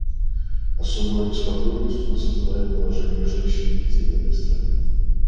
Особую обеспокоенность у нас вызывает положение женщин и детей в этой стране.